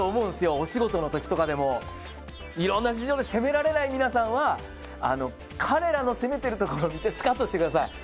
お仕事のときとかでもいろんな事情で攻められない皆さんは彼らの攻めているところを見てスカッとしてください。